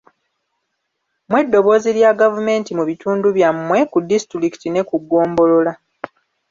Mmwe ddoboozi lya gavumenti mu bitundu byammwe, ku disitulikiti ne ku ggombolola.